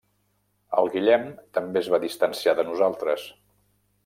El Guillem també es va distanciar de nosaltres.